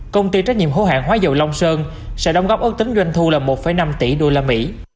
công ty trách nhiệm hữu hạng hóa dầu long sơn sẽ đóng góp ước tính doanh thu là một năm tỷ usd